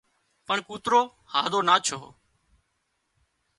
پڻ ڪوترو هازو نا ڇو